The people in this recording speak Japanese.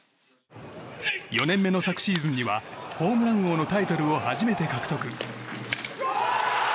４年目の昨シーズンにはホームラン王のタイトルを初めて獲得。